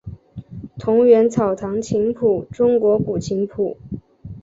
桐园草堂琴谱中国古琴谱。